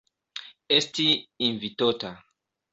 Esti invitota.